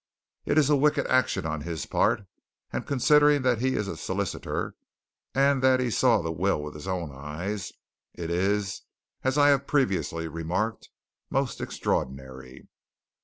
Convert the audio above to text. It is a wicked action on his part and, considering that he is a solicitor, and that he saw the will with his own eyes, it is, as I have previously remarked, most extraordinary!"